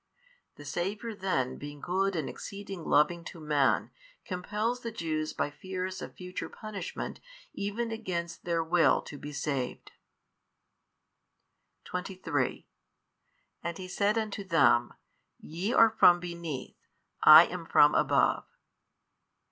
The Saviour then being good and exceeding loving to man, compels the Jews by fears of future punishment even against their will to be saved. 23 And He said unto them, YE are from beneath, I am from above.